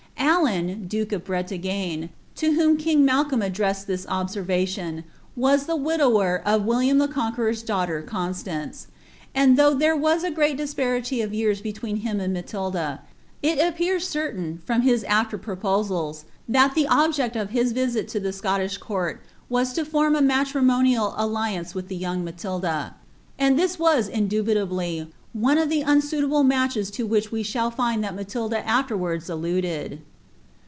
AUn duke of Brelagne, lo whom king Malcolm addressed this obirr> ration, was the widower of William the Conqueror's daughter Conslanecj and though there was a great disparity of years between him and Madlds, it appears certain, from his after proposals, ihat [he object of his visit to the ScoUish court was to form a matrimonial alliance niih the youif Maulda ;* and this was indubitably one of the nnsuilable malcdes U which we shall Hud that Matilda allerwards alluded.